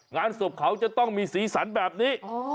งานศพเขาจะต้องมีสีสันแบบนี้